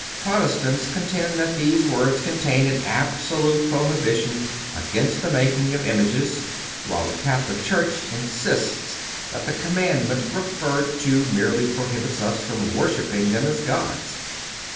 (275) Protestants contend that these words contain an absolute prohibition against the making of images, while the Catholic Church insists that the commandment referred to merely prohibits us from worshiping them as gods.